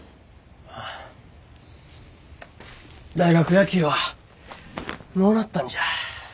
ああ大学野球はのうなったんじゃ。